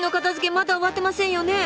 まだ終わってませんよね。